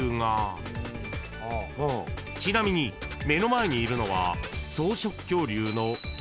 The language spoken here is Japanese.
［ちなみに目の前にいるのは］